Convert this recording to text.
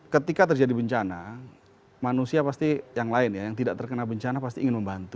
ketika terjadi bencana manusia pasti yang lain ya yang tidak terkena bencana pasti ingin membantu